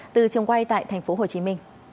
từ trường quay tại tp hcm